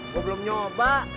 gue belum nyoba